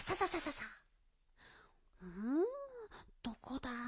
どこだ？